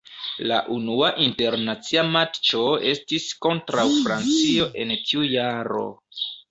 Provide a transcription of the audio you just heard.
La unua internacia matĉo estis kontraŭ Francio en tiu jaro.